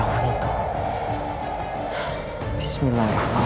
jangan saja terus untuk merindukan rakyat neraka